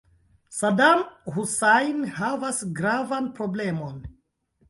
Sadam Husajn havas gravan problemon.